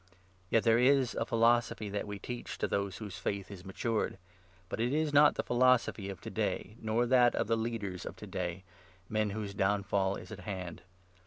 Yet there is a philosophy that we teach to those whose faith 6 is matured, but it is not the philosophy of to day, nor that of the leaders of to day — men whose downfall is at hand.